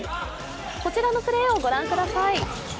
こちらのプレーを御覧ください。